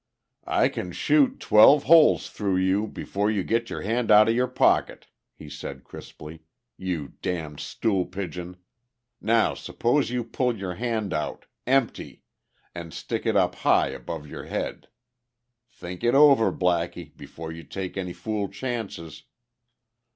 "I can shoot twelve holes through you before you get your hand out of your pocket," he said crisply. "You damned stool pigeon! Now, suppose you pull your hand out ... empty! ... and stick it up high above your head. Think it over, Blackie, before you take any fool chances."